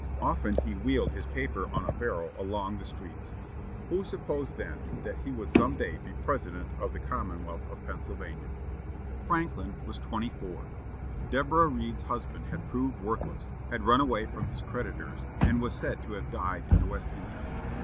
Often he wheeled his paper on a barrow along the streets. Who supposed then that he would some day be President of the Commonwealth of Pennsylvania? Franklin was twenty four. Deborah Read's husband had proved worthless, had run away from his creditors, and was said to have died in the West Indies.